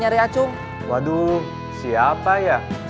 karyak ia species